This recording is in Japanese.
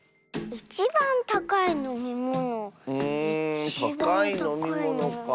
うんたかいのみものかあ。